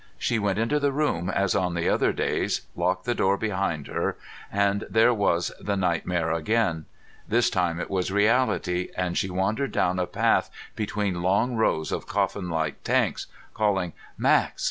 She went into the room as on the other days, locked the door behind her, and there was the nightmare again. This time it was reality and she wandered down a path between long rows of coffinlike tanks, calling, "Max!